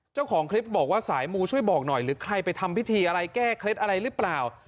เจ้าของคลิปบอกว่าสายมูช่วยบอกหน่อยหรือใครไปทำพิธีอะไรแก้เคล็ดอะไรหรือเปล่า